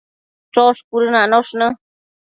Chosh cuëdënanosh në